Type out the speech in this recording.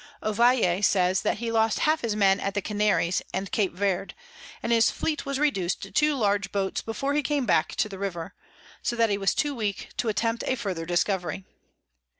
Ovalle says that he lost half his Men at the Canaries and Cape Verd, and his Fleet was reduc'd to two large Boats before he came back to the River; so that he was too weak to attempt a further Discovery.